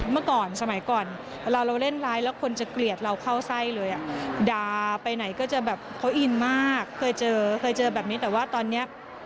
เมื่อก่อนสมัยก่อนเวลาเราเล่นร้ายแล้วคนจะเกลียดเราเข้าไส้เลยอ่ะด่าไปไหนก็จะแบบเขาอินมากเคยเจอเคยเจอแบบนี้แต่ว่าตอนนี้